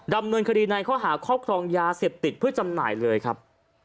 ดำเนินคดีในข้อหาครอบครองยาเสพติดเพื่อจำหน่ายเลยครับ